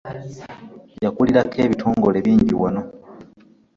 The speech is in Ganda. Yakulirako ebitongole bingi wano.